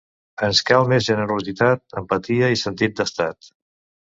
Ens cal més generositat, empatia i sentit d’estat.